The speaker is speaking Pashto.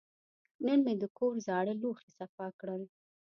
نن مې د کور زاړه لوښي صفا کړل.